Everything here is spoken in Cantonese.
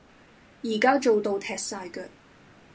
依家做到踢曬腳